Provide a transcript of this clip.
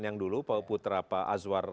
yang dulu pak putra pak azwar